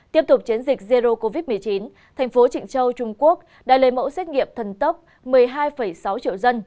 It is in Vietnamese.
tiếp tục chiến dịch zero covid một mươi chín thành phố trịnh châu trung quốc đã lấy mẫu xét nghiệm thần tốc một mươi hai sáu triệu dân